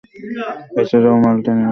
এছাড়াও, মাল্টায় নিয়োজিত ছিলেন।